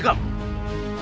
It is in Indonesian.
aku adalah arindi